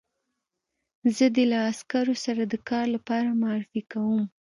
زه دې له عسکرو سره د کار لپاره معرفي کوم